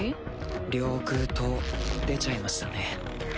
領空灯出ちゃいましたね。